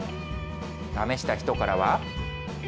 試した人からは。